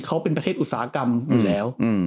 เขาเป็นประเทศอุตสาหกรรมอยู่แล้ว